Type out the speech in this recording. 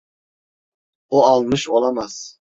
O almış olamaz.